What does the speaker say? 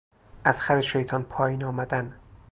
از خر شیطان پائین آمدن